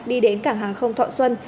đi đến cảng hàng không thọ xuân